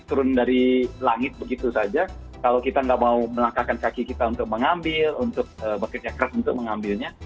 turun dari langit begitu saja kalau kita nggak mau melangkahkan kaki kita untuk mengambil untuk bekerja keras untuk mengambilnya